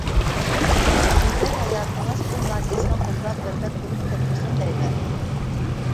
گۈلدەك ھاياتىڭىز ئۇ ناكەسنىڭ قولىدا بەربات بولۇپ كەتمىسۇن دەيمەن.